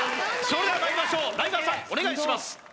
それではまいりましょうライガーさんお願いします